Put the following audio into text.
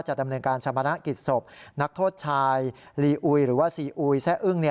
ดำเนินการชามณกิจศพนักโทษชายลีอุยหรือว่าซีอุยแซ่อึ้ง